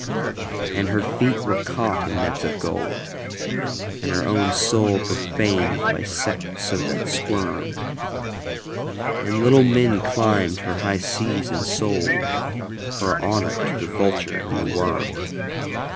And her own feet were caught in nets of gold, And her own soul profaned by sects that squirm, And little men climbed her high seats and soldHer honour to the vulture and the worm.